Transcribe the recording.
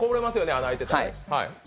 穴が開いてたら。